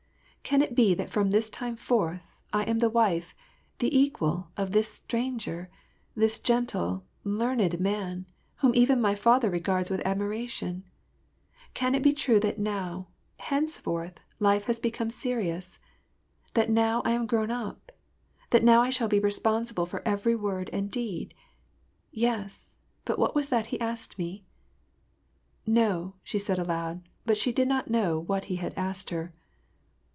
^^ Can it be that from this time forth, I am the wife, the equal, of this stranger, this gentle, learned man, whom even my father regards with admi ration ? Can it be true that now, henceforth, life has become serious ? that now I am grown up ? that now I shall be responsible for every word and deed ?— Yes, but what was that he asked me ?"" No," said she, aloud, but she did not know what he had asked her.